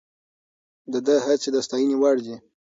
د ده هڅې د ستاینې وړ دي.